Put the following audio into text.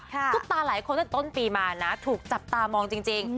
ซุปตาหลายคนตั้งแต่ต้นปีมานะถูกจับตามองจริง